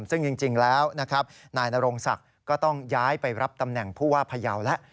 ซึ่งจริงแล้วนะครับนายนโรงศักดิ์ก็ต้องย้ายไปรับตำแหน่งผู้ว่าพยาวแล้ว